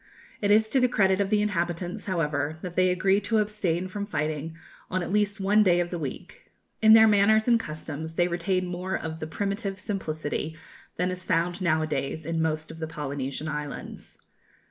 It is to the credit of the inhabitants, however, that they agree to abstain from fighting on at least one day of the week. In their manners and customs they retain more of the primitive simplicity than is found now a days in most of the Polynesian islands.